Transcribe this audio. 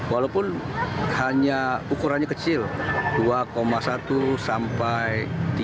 walaupun hanya ukurannya kecil dua satu sampai tiga